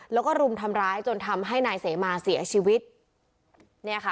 แล้วก็รุมทำร้ายจนทำให้นายเสมาเสียชีวิตเนี่ยค่ะ